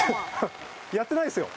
やってないですよ。